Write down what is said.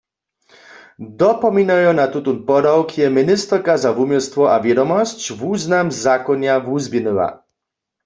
Dopominajo na tutón podawk je ministerka za wuměłstwo a wědomosć wuznam zakonja wuzběhnyła.